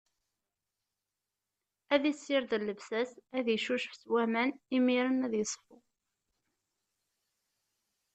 Ad issired llebsa-s, ad icucef s waman, imiren ad iṣfu.